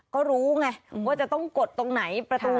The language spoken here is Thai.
ก็รู้ไงว่าจะต้องกดตรงไหนประตู